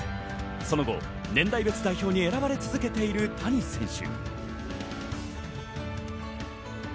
その後、年代別代表に選ばれ続けている谷選手。